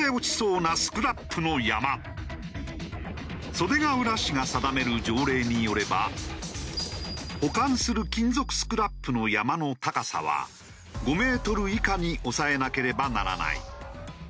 袖ケ浦市が定める条例によれば保管する金属スクラップの山の高さは５メートル以下に抑えなければならない。